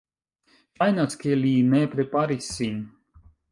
Ŝajnas, ke li ne preparis sin